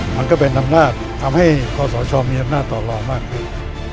มันก็เป็นอำนาจทำให้คอสชมีอำนาจต่อรองมากขึ้น